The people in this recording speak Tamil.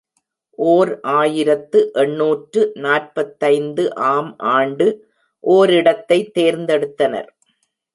ஓர் ஆயிரத்து எண்ணூற்று நாற்பத்தைந்து ஆம் ஆண்டு ஓரிடத்தைத் தேர்ந்தெடுத்தனர்.